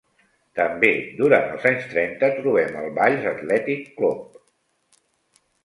També durant els anys trenta trobem el Valls Atlètic Club.